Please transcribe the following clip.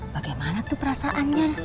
bagaimana tuh perasaannya